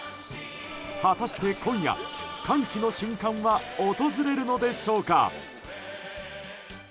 果たして今夜、歓喜の瞬間は訪れるのでしょうか。